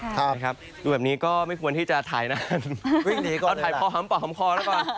ดูแบบนี้ก็ไม่ควรที่จะถ่ายนานถ่ายพอหัมป่อหัมคอละก่อน